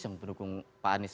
yang pendukung pak anis